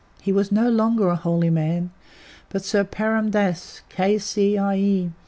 He was no longer a holy man, but Sir Purun Dass, K.C.I.E.